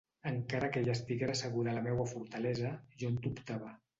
Encara que ell estiguera segur de la meua fortalesa, jo en dubtava.